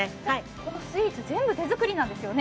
このスイーツ全部手作りなんですよね？